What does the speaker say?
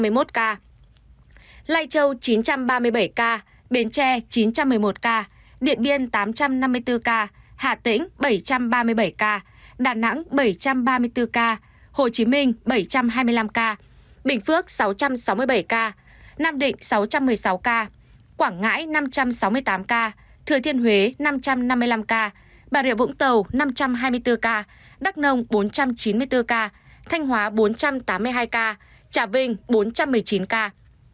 hải châu chín trăm ba mươi bảy ca bến tre chín trăm một mươi một ca điện biên tám trăm năm mươi bốn ca hà tĩnh bảy trăm ba mươi bảy ca đà nẵng bảy trăm ba mươi bốn ca hồ chí minh bảy trăm hai mươi năm ca bình phước sáu trăm sáu mươi bảy ca nam định sáu trăm một mươi sáu ca quảng ngãi năm trăm sáu mươi tám ca thừa thiên huế năm trăm năm mươi năm ca bà rịa vũng tàu năm trăm hai mươi bốn ca đắk nông bốn trăm chín mươi bốn ca thanh hóa bốn trăm tám mươi hai ca trà vinh bốn trăm một mươi chín ca